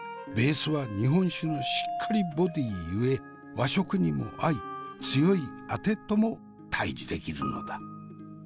ベースは日本酒のしっかりボディーゆえ和食にも合い強いあてとも対峙できるのだ。